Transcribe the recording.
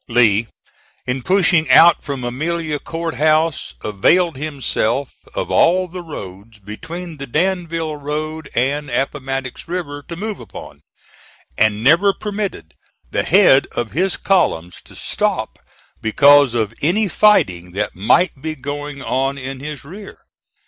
Lee, in pushing out from Amelia Court House, availed himself of all the roads between the Danville Road and Appomattox River to move upon, and never permitted the head of his columns to stop because of any fighting that might be going on in his rear.